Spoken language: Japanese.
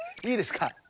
いいですか？